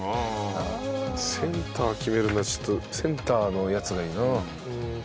センター決めるのはちょっとセンターのやつがいいな。